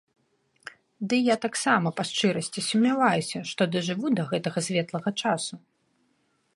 Дый я таксама, па шчырасці, сумняваюся, што дажыву да гэтага светлага часу.